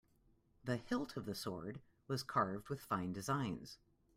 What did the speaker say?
The hilt of the sword was carved with fine designs.